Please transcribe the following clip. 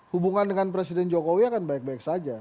hubungan dengan presiden jokowi akan baik baik saja